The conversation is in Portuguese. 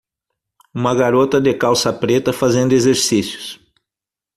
Uma garota de calça preta fazendo exercícios.